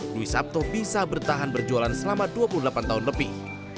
dwi sabto bisa bertahan berjualan selama dua puluh delapan tahun lebih